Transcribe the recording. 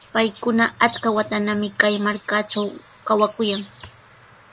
Paykuna achka watanami kay markatraw kawakuyan.